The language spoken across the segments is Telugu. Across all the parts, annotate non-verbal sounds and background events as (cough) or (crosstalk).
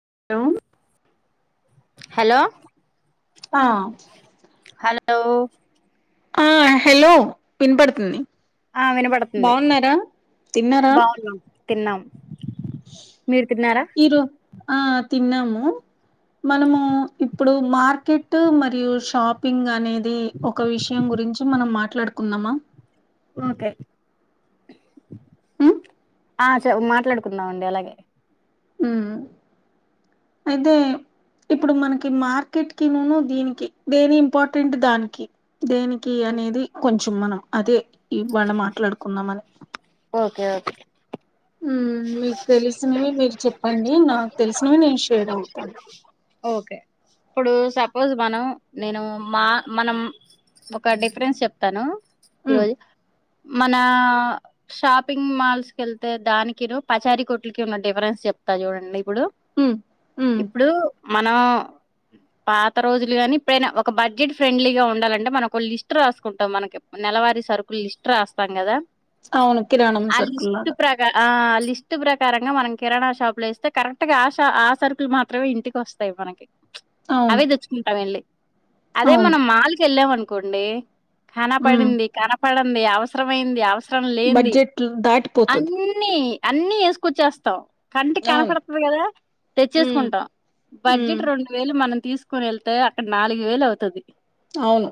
(unintelligible) హలో ఆ లో ఆ హలో విన్పడుతుంది ఆ వినపడతుంది బావున్నం తిన్నాం మీరు తిన్నారా ఇరు ఆ తిన్నాము మనము ఇప్పుడు మార్కెట్ మరియు షాపింగ్ అనేద్ ది ఒక విషయం గురించి మనం మాట్ మాట్లాడుకుందామా ఓకే ఉమ్ ఆ చే మాట్లాడుకుందామ్ అండి అలాగే మ్ అయితే ఇప్పుడు మనకి మార్కెట్ కి నును దీనికి దేని ఇంపార్టెంట్ దానికి దేనికి అనేది కొంచ చం మనం అదే ఇవాళ మాట్లాడుకుందామని ఓకే ఓకే హుమ్ మీకు తెలిసినవి మీక్ చెప్ అండి నాకు తెలుస్ నేను ఇషేర్ అవుతా ఓకే ఇప్పుడు సపోజ్ మనం నేను మా మనం ఒక డిఫరెన్స్ చెప్తాను ఉమ్ ఈరోజు మన షాపింగ్ మాల్స్ కెళ్తే దానికి పచారి కొట్లకి ఉన్న డిఫరెన్స్ చెప్తా చూడండి ఇప్పుడు ఉమ్ ఉమ్ ఇప్పుడు మనం పాత రోజులు కాని ఇప్పుడైనా ఒక బడ్జెట్ ఫ్రెండ్లీగా ఉండాలంటే మనం ఒక లిస్ట్ రాసుకుంటాం మనకి నెలవారీ సరుకులు లిస్ట్ రాస్తాం కదా అవును కిరాణం సర్కుల్ళగా దిస్ట్ ప్రకారంగా మనం కిరాణా షాప్ లోేస్తే కరెక్ట్ గా ఆ ష ఆ సర్కుల్ మాత్రమే ఇంటికి వస్తంది వస్తయి మనకి అవును అవే తెుచ్చుకుంటాం వెళ్ళి అదే అవును మనం మాాలకిెళ్ళాం అనుకోం కొండే ఉమ్ కనపడింది కనపడ ఉంది అవసరమైంది అవసర రం లేన్ది బడ్జెట్లు దాటిపోతది అన్నిీ అన్నిీ వేసుకొచ్చేస్తాం కంటికి అవును కనపడుతుంది కదా ఉమ్ తెచ్చేసుకుంటాం ఉమ్ బడ్జెట్ రెండు వేలు మనం తీసుకుొని వెళ్తే అక్కడ నాలుగు వేలు అవుతది అవును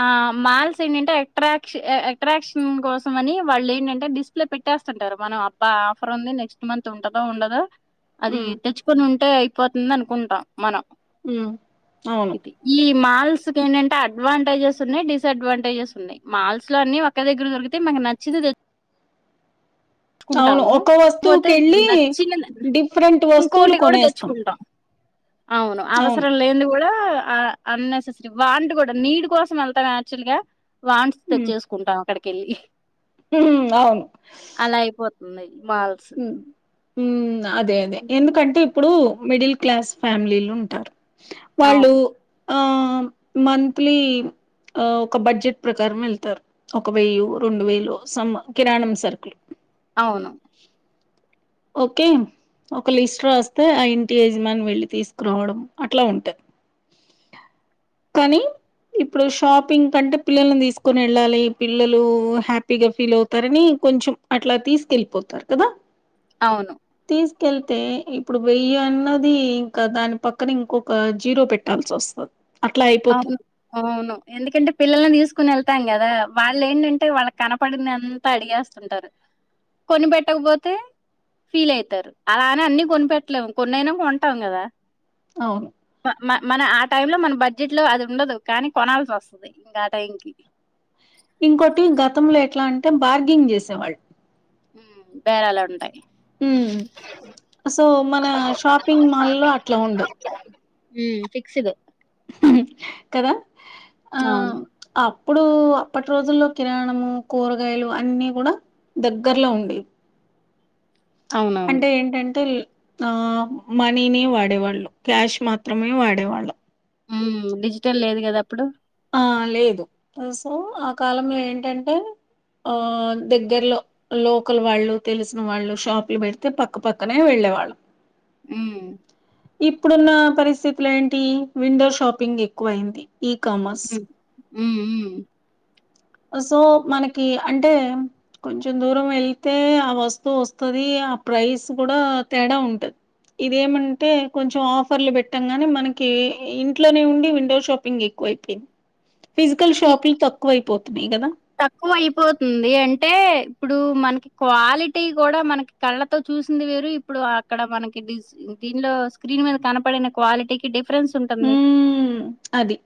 ఆ మాల్స్ ఏంటంటే అట్రాక్ష అట్రాక్షన్ కోసం అని వాళ్ళు ఏంటంటే డిస్ప్లే పెట్టేస్తుంటారు మనం అబ్బా ఆఫర్ ఉంది నెక్స్ట్ మంత్ ఉంటదో ఉండదో అది ఉమ్ తెచ్చుకొని ఉంట్ టేక్ పోతుంది అనుకుంటాం మనం ఉమ్ అవును ఇది ఈ మాల్స్ కి ఏంటంటే అడ్వాంటేజెస్ ఉన్నాయి డిస్డ్వాంటేజెస్ ఉన్నాయి మాల్స్ లో అన్ని ఒక్క దగ్గర దొరికితే మాకు నచ్చితే తె అవును ఒక వస్తువుకి వెళ్ళి నచ్చిన డిఫరెంట్ వస్తువులు ఇంకోటి కూడా కొనేస్తాం తెచ్చుకుంటాం అవును అవసరం లేనిది కూడా అన్నెసెసరీ వాంటి కూడా నీడ్ కోసం వెళ్తాం యాక్చువల్ గా వాన్ట్స్ తెచ్చేసుకుంటాం అక్కడికెళ్లి హ్మ్ అవును అలా అయిపోతుంది మాల్స్ హ్మ్అదే అదే ఎందుకంటే ఇప్పుడు మిడిల్ క్లాస్ ఫ్యామిలీలు ఉంటారు వాళ్ళు అవును. ఆ మంత్లీ ఒక బడ్జెట్ ప్రకారం వెళ్తారు ఒక వెయ్య రెండు వేలు సమ్ కిరాణం సరుకులు అవును ఓకే ఒక లిస్ట్ రాస్తే ఆ ఇంటి యజమాని వెళ్ళి తీసుకురావడం అట్లా ఉంటది. కానీ ఇప్పుడు షాపింగ్ కంటే పిల్లల్లను తీసుకొని వెళ్ళాలి పిల్లలు హ్యాపీగా ఫీల్ అవుతారని కొంచెం అట్లా తీసుకెళ్ళిపోతారు కదా అవును తీసుకెళ్తే ఇప్పుడు వెయ్యి అన్నది ఇంకా దాని పక్కన ఇంకొక జీరో పెట్టాల్సి వస్తుంది అవును అవును ఎందుకంటే పిల్లల్ని తీసుకుని వెళ్త కొంటాం కదా వాళ్ళు ఏంటంటే వాళ్ళకి కనపడింది అంతా అడిగేస్తుంటారు కొనిపెట్టకపోతే ఫీల్ అయితారు అలానే అన్ని కొనిపెట్టలేము కొన్నియినా కొంటాం కదా అవును మ మన ఆ టైం లో మనం బ జిట్లో అది ఉండదు కానీ కొనాల్సి వస్తుంది ఇంక ఆటైమ్కీ ఇంకోటి గతంలో ఎట్లా అంటే బార్గెంగ్ చేసేవాళ్ళు బేరాలుంటై హ్మ్ సో మన షాపింగ్ మాల్ లో అట్లా ఉండదు హ్మ్ ఫిక్స్డ్ కదా అ అవును. అప్ ఇప్పుడు అప్పటి రోజుల్లో కిరాణము కూరగాయలు అన్నీ కూడా దగ్గరలో ఉండేవి అవునవును. అంటే ఏంటంటే ఆ మనీని వాడేవాళ్ళు క్యాష్ మాత్రమే వాడేవాళ్ళు హ్మ్ డిజిటల్ లేదు కదా అప్పుడు ఆ లేదు సో ఆ కాలంలో ఏంటంటే దగ్గరలో లోకల్ వాళ్ళు తెలిసిన వాళ్ళు షాప్లు పెడితే పక్కపక్కనే వెళ్ళేవాళ్ళం హ్మ్ ఇప్పుడున్న పరిస్థితులు ఏంటి విండో షాపింగ్ ఎక్కువ అయింది ఈకామర్స్ హ్మ్. హ్మ్ మ్మ్ సో మనకి అంటే కొంచెం దూరం వెళ్తే ఆ వస్తువు వస్తది. ఆ ప్రైస్ కూడా తేడా ఉంటది. ఇదేమంటే కొంచెం ఆఫర్లు పెట్టంగానే మనకి ఇంట్లో ఉండి విండో షాపింగ్ ఎక్కువ అయిపోయింది. ఫిజికల్ ఈ షాపింగ్ తక్కువైపోత బిడవ తక్కువ అయిపోతుంది. అంటే ఇప్పుడు మనకి క్వాలిటీ కూడా మనకి కళ్ళతో చూసింది. వేరు ఇప్పుడు అక్కడ మనకి దీనిలో స్క్రీన్ మీద కనపడిన క్వాలిటీకి డిఫ హ్ అది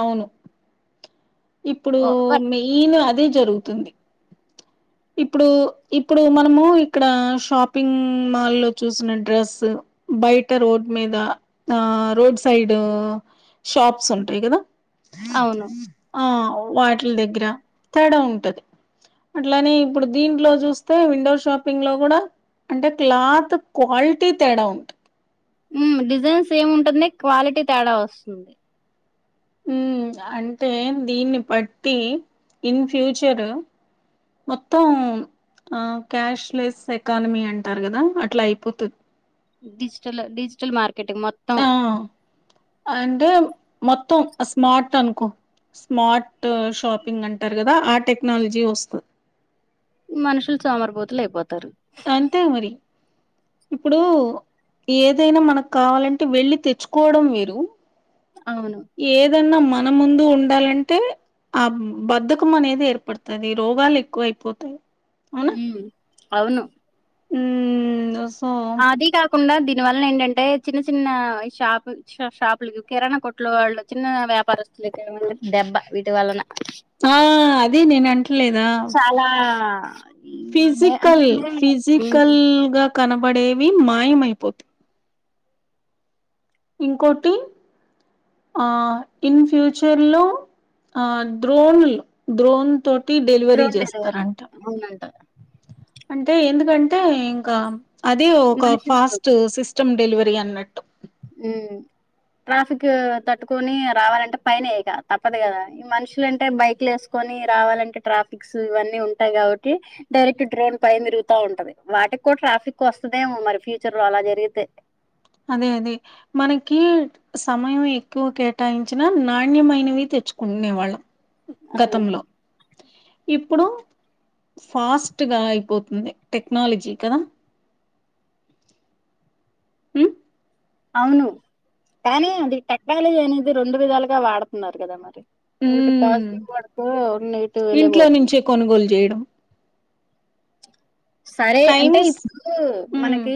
ఆవును ఇప్పుడు ఓ బట్ మెయిన్ అదే జరుగుతుంది ఇప్పుడు ఇప్పుడు మనము ఇక్కడ షాపింగ్ మాల్ లో చూసిన డ్రెస్ బయట రోడ్ మీద ఆ రోడ్ సైడ్ షాప్స్ ఉంటాయి కదా అవును ఆ వాటిల దగ్గర తేడా ఉంటది. అట్లానే ఇప్పుడు దీంట్లో చూస్తే విండో షాపింగ్ లో కూడా అంటే క్లాత్ క్వాలిటీ తేడా ఉంటది. ఉ డిజైన్స్ సేమ్ ఉంటుంది క్వాలిటీ తేడా వస్తుంది ఉమ్ అంటే దీన్ని బట్టి ఇన్ ఫ్యూచర్ మొత్తం క్యాష్లెస్ ఎకానమీ అంటారు. కదా అట్లా అయిపోతది. డిజిటల్ డిజిటల్ మార్కెట్ ఆ అంటే మొత్తం స్మార్ట్ అనుకో స్మార్ట్ షాపింగ్ అంటారు. కదా ఆ టెక్నాలజీ వస్తది. మనుషులు సోమరీ పోతులు అయిపోతారు. అంతే మరి ఇప్పుడు ఏదైనా మనకు కావాలంటే వెళ్ళి తెచ్చుకోవడం. వేరు అవును ఏదన్నా మ మన ముందు ఉండాలంటే ఆ బద్దకం అనేది ఏర్పడతది రోగాలు ఎక్కువ అయిపోతాయి. హ్ అవును ఉ వ అది కాకుండా ది దని వలన ఏంటంటే చిన్న చిన్న షాపు షాపు కిరాణా కొట్ల వాళ్ళు చిన్న వ్యాపారస్తులు కు ఏమన్న దెబ్బ వీటి వలన ఆ అది నేను అంట్లే దా చాలా ఏమండే ఫిజికల్ ఏంటంటే ఫిజికల్గా కనబడేవి మాయమయిపోత ఇంకోటి ఆ ఇన్ ఫ్యూచర్ లో ఆ డ్రోన్లు డ్రోన్ తో టీ డెలివరీ డ్రోన్ డెలివరీ చేస్తారంట అవునంట అంటే ఎందుకంటే ఇంకా అదే ఒక మనుషులు ఫాస్ట్ సిస్ స్టం డెలివరీ అన్నట్టు ఉ ట్రాఫిక్ తట్టుకొని రావాలంటే పైనే తప్పదు గాదా. ఈ మనుషులంటే బైక్లు వేసుకొని రావాలంటే ట్రాఫిక్స్ ఇవన్నీ ఉంటాయి. కాబట్టి డైరెక్ట్ డ్రోన్ పైన్నే తిరుగుత ఉంటది. వాటికి కూడా ట్రాఫిక్ వస్తదేమో మరి ఫ్యూచర్ లో అలా జరిగితే అదే అదే మనకి సమయం ఎక్కువ కేటాయించిన నాణ్యమైనవి తెచ్చుకునే వాళ్ళం అవును గతంలో ఇప్పుడు ఫాస్ట్ గా అయిపోతుంది టెక్నాలజీ కదా హ్ అవును. కానీ అది టెక్నాలజీ అనేది రెండు విధాలుగా వాడుతున్నారు. కదా మరి ఒకటి ఉమ్ పాజిటివ్ పడుకో నెగిటివ్ ఇంట్లో వెళ్ళపోతుంది నుంచే కొనుగోలు చేయడం సరే అంటే టైమ్స్ ఇప్పుడు మనకి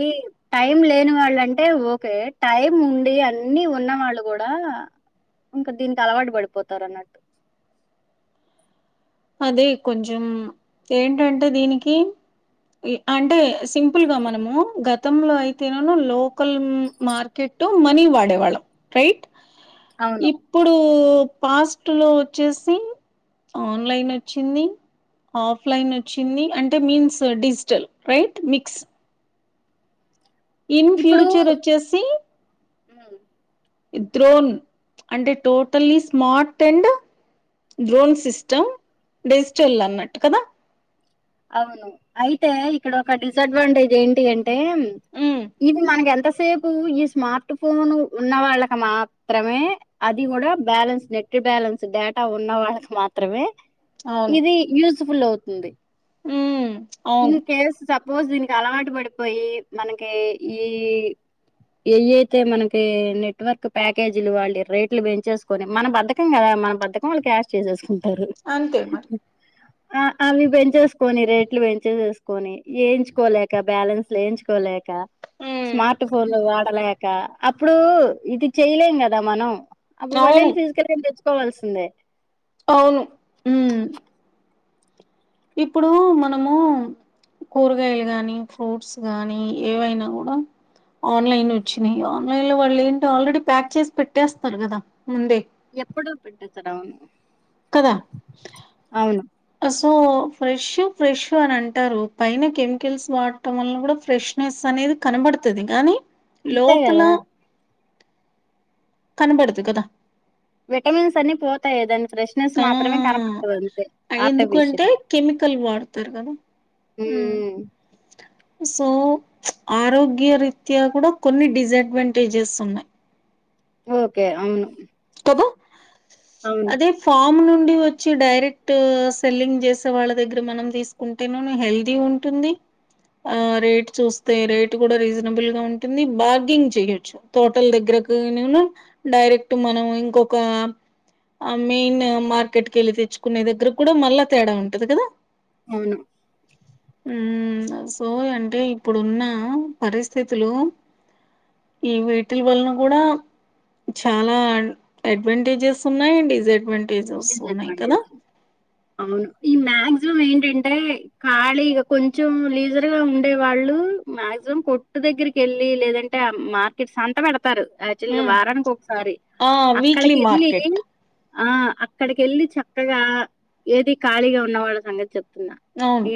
టైం లేని వాళ్ళంటే ఓకె టైం ఉండి అన్ని ఉన్న వాళ్ళు కూడ ఇంక దీనికి అలవాటు పడిపోతారు అన్నట్టు. అదే కొంచెం ఏంటంటె దీనికి అంటె సింపుల్ గా మనము గతంలో అయితేన లోకల్ మార్కెట్టు మనీ వాడేవాళ్ళం రైట్ అవును. ఇప్పుడు పాస్ట్ లో వచ్చేసి అవును ఆన్లైన్ వచ్చింది ఆఫ్లైన్ వచ్చింది అంటే means digital right mix in future వచ్చేసి ఆ డ్రోన్ అంటే totally smart and drone system digital అన్నట్టు కదా అవును అయితే ఇక్కడ ఒక డిసడ్వాంటేజ్ ఏంటి అంటె టే ఉమ్ ఇది మనకు ఎంతస్ సేపు ఈ స్మార్ట్ ఫోన్ ఉన్న వాళ్ళకి మాత్రమే అది కూడా బ్యాలన్స్ నెట్ బ్యాలెన్స్ డేటా ఉన్న వాళ్ళకి మాత్రమే అవును ఇది యూజ్ ఫుల్ అవుతుంది ఉమ్ ఇం అవును కేస్ సప్ పోజ్ దీనికి అలవాటు పడిపోయి మనకి ఈ ఏయి అయితే మనకి నెట్వర్క్ ప్యాకేజీలు వాళ్ళ రేట్లు పెంచేసుకొని మన బద్దకం కదా మన బద్దకం వాళ్ళు క్యాష్ చేసేసుకున్ అంతే మరి ఆ అవి పెంచేసుకోని రేట్లు పెం చేసేసుకొని ఎయించుకోలేక బాలెన్స్లు లేయించుకోలేక ఉమ్ స్మార్ట్ ఫోన్లు వాడలాక్ క అప్పుడూ ఇది చెయలేం కదా మనం అప్పుడు అవును మల్లెల్లి ఫిజికల్ ఐడీ తెచ్ కోవాల్సిందే అవును ఊ ఇప్పుడూ మనమూ కూరగాయలు గాని ఫ్రూట్స్ గానీ ఏవైనా కూడా ఆన్లైన్ వచ్చినాయి ఆన్లైన్ లో వాళ్ళు ఏంటో ఆల్రెడీ ప్యాక్ చేసి పెట్టేస్తారు కదా ముందే ఎప్పుడో పెట్టేత్తారు అవును కదా అస్ పో ఫ్రెష్ ఫ్రెష్ అని అంటారు పైన కెమికల్స్ వాడటం వల్ల కూడా ఫ్రెష్నెస్ అనేది కనబడతది గానీ అంతే లోపల కదా కనబడదు కదా విటమిన్స్ అన్ని పోతాయి గదన్నీ ఫ్రెష్నెస్ ఆ మాత్రమే కనబడతది అంతె ఎందుకంటే ఆర్టిఫీషల్గా కెమికల్ వాడతారు కదా ఊ ఉమ్ సో ఆరోగ్య రీత్యా కూడ కొన్ని డిసడ్వాంటేజెస్ ఉన్నాయి ఓకె అవును అబ్బ అవును అదే ఫామ్ ను వచ్చి డైరెక్ట్ సెల్లింగ్ చేసే వాళ్ళ దగ్గర మనం తీసుకుంటే హెల్దీ ఉంటుంది రేట్ చూస్తే రేట్ కూడా రీజనబుల్ గా ఉంటుంది బార్గింగ్ చేయొచ్చు టోటల్ దగ్గర గనివ్వని డైరెక్ట్ మన ఇంకొక అ మెయిన్ మార్కెట్ కెళ్ళి తెచ్చుకునే దగ్గర కూడా మళ్ళా తేడా ఉంటది కదా అవును ఉమ్ సో అంటే ఇప్పుడున్న పరిస్థితులో ఈ వేటిల వలన కూడా చాలా అడ్వాంటేజెస్ ఉన్నాయ్ డిసడ్వాం డిసడ్వాంటేజెస్ అవును ఈ మ్యాక్స్ మం ఏంటంటే ఖాళీగా కొంచెం లీజర్ గా ఉండే వాళ్ళు మాక్సిమం కొట్టు దగ్గరికి వెళ్ళి లేదంటే ఆ మార్కెట్ సంత పెడత తారు యాక్చువల్గా హ్మ్ వారానికి ఒకసారి ఆ వీక్లీ అక్కడికి వెళ్ళి మార్కెట్ ఆ అక్కడికి వెళ్ళి చక్కగా ఏది ఖాళీగా ఉన్నవాళ్ళ సంగతి చెప్ చెప్తున్న అవును ఏ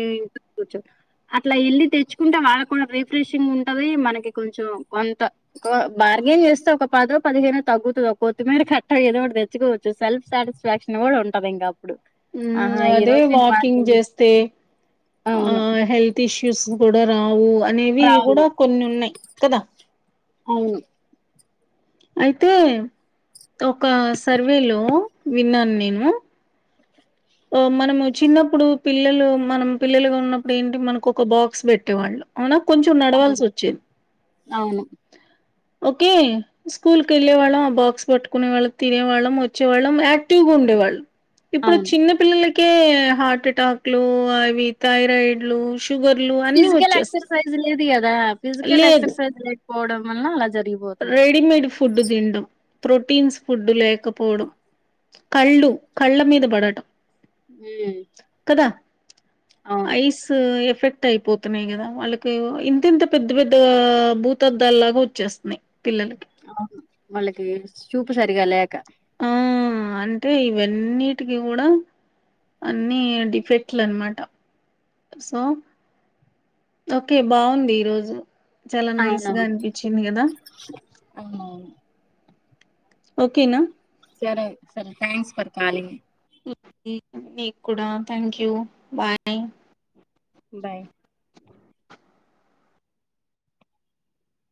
అట్లా ఎళ్లి తెచ్చుకుంటే వాళ్ళ కూడా రిఫ్రెషింగ్ ఉంటుది మనకి కొంచెం కొంత కో బార్గెన్ చేస్తే ఒక పదో పదిహేనో తగ్గుతుది కొత్తిమీర కట్ట ఏదో ఒకటి తెచ్చుకోవచ్చు సెల్ఫ్ సాటిస్ఫై స్ఫాక్షన్ కూడా ఉంటది ఇంకా ఉమ్ అదే వాకింగ్ చే చేస్తే ఆ అవును హెల్త్ ఇష్యూ స్ కూడా రావు అనేవి రావు కూడా కొన్ని ఉన్నాయి కదా అవును అయితే ఒక సర్వే లో విన్నాన్ నేను మనము చిన్నప్పుడు పిల్లలు మనం పిల్లలుగా ఉన్నప్పుడు ఏంటి మనకొక బాక్స్ వెట్టేవాళ్ళు అవునా కొంచెం అవును నడవాల్సొచ్చేది అవును ఓకే స్కూల్కేవాళ్ళం ఆ బాక్స్ పట్టుకునే వాళ్ళం తినేవాళ్ళం ఒచ్చే వాళ్ళం యాక్టివ్ గుండేవాళ్ళం అవును చిన్న పిల్లలకే హార్టేటాక్లు అవి థైరాయిడ్లు షుగర్లు అన్ని ఫిజికల్ వచ్చేస్తాయి ఎక్సర్సైజ్ లేదు కదా ఫిజికల్ ఎక్సర్సైజ్ లే కపోవడం వలన అలా జర్ రెడిమేడ్ ఫు ఫుడ్డు తిన్డం ప్రోటీన్స్ ఫుడ్డు లేకపోవడం కళ్ళు కళ్ళమీదబడటం హు ఐస్ ఎఫెక్ట్ క్ట్ అయిపోతున్నాయి కదా వాళ్ళకు ఇంతింత పెద్ద పెద్ద భూతద్దాలు లాగొచ్చేస్తున్నాయి అవును వాళ్ళకి చూపు సరిగా లేక ఆ అంటే ఇవన్నిటికి కూడా అన్ని డిఫెక్ట్లు అన్నమాట సో ఓకే బాగుంది ఈరోజు చాలా నైస్ గా అవునవును అనిపించింది కదా అవునవును ఓకేనా సరే సరే థ్యాంక్స్ ఫర్ కాలింగ్ (unintelligible) నీకు కూడా థ్యాంక్యూ బాయ్ బాయ్